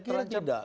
saya kira tidak